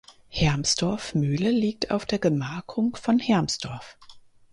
Hermsdorf Mühle liegt auf der Gemarkung von Hermsdorf.